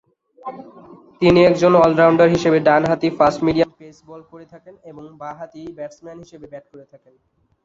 তিনি একজন অল-রাউন্ডার হিসেবে ডান-হাতি ফাস্ট-মিডিয়াম পেস বল করে থাকেন এবং বা-হাতি ব্যাটসম্যান হিসেবে ব্যাট করে থাকেন।